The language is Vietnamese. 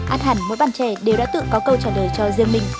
át hẳn mỗi bạn trẻ đều đã tự có câu trả lời cho riêng mình